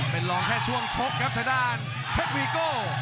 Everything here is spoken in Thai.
เป็นรองแค่ช่วงชกครับทางด้านเพชรวีโก้